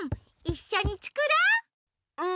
いっしょにつくろう！